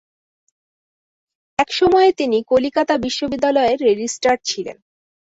একসময়ে তিনি কলিকাতা বিশ্ববিদ্যালয়ের রেজিষ্ট্রার ছিলেন।